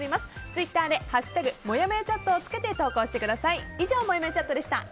ツイッターで「＃もやもやチャット」をつけて投稿してください。